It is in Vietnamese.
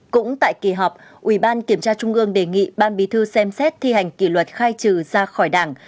cũng tại kỳ họp ủy ban kiểm tra trung ương đề nghị ban bí thư xem xét thi hành kỷ luật khai trừ ra khỏi đảng